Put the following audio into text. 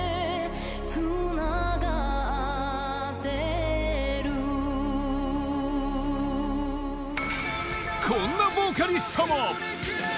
つながってるこんなボーカリストも